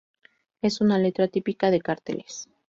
Es una letra típica de carteles.